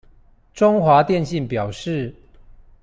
中華電信表示